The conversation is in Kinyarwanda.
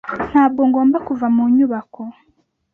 Ntabwo ngomba kuva mu nyubako.